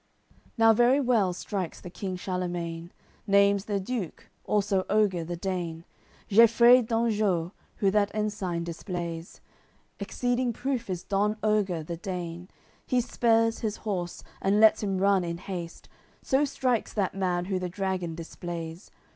AOI. CCLVII Now very well strikes the King Charlemagne, Naimes the Duke, also Oger the Dane, Geifreid d'Anjou, who that ensign displays. Exceeding proof is Don Oger, the Dane; He spurs his horse, and lets him run in haste, So strikes that man who the dragon displays.